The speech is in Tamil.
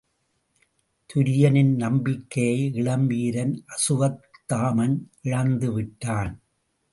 துரியனின் நம்பிக்கையை இளம் வீரன் அசுவத்தாமன் இழந்துவிட்டான்.